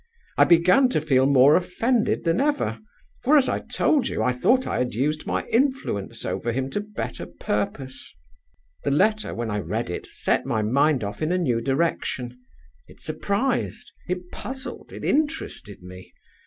I began to feel more offended than ever; for, as I told you, I thought I had used my influence over him to better purpose. "The letter, when I read it, set my mind off in a new direction. It surprised, it puzzled, it interested me.